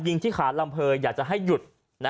ที่ขาลำเภยอยากจะให้หยุด